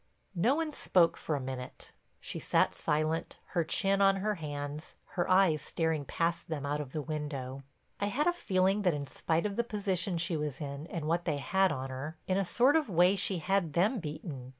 No one spoke for a minute. She sat silent, her chin on her hands, her eyes staring past them out of the window. I had a feeling that in spite of the position she was in and what they had on her, in a sort of way she had them beaten.